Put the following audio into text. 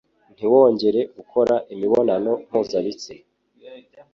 ntiwongere gukora imibonano mpuzabitsina